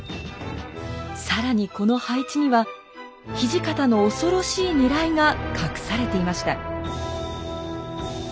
更にこの配置には土方の恐ろしいねらいが隠されていました。